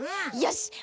よし！